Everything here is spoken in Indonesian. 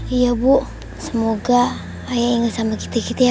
iya bu semoga ayah ingat sama kita kita ya bu